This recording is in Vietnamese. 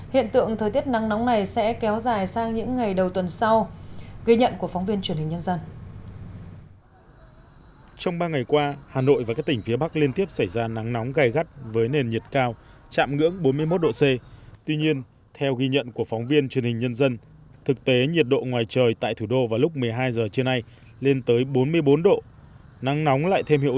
hiện tượng thời tiết nắng nóng này sẽ kéo dài sang những ngày đầu tuần sau